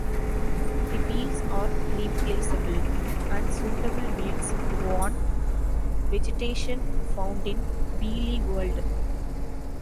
The wheels are replaceable, and suitable wheels grow on vegetation found in Wheelie World.